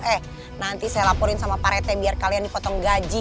eh nanti saya laporin sama pak rete biar kalian dipotong gaji